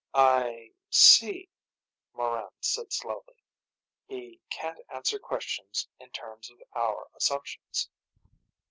"I see," Morran said slowly. "He can't answer questions in terms of our assumptions."